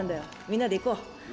みんなで行こう！